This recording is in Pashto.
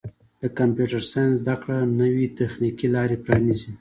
د کمپیوټر ساینس زدهکړه نوې تخنیکي لارې پرانیزي.